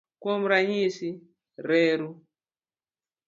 Kuom ranyisi, reru.